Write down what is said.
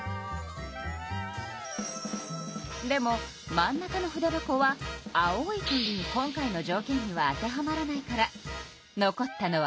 でも真ん中の筆箱は「青い」という今回のじょうけんには当てはまらないから残ったのは２つ。